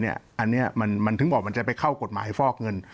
อันนี้มันถึงบอกมันจะไปเข้ากฎหมายฟอกเงิน